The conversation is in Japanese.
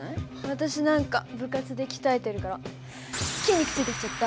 私なんか部活で鍛えてるから筋肉ついてきちゃった！